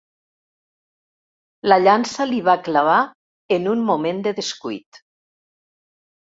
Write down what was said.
La llança li va clavar en un moment de descuit.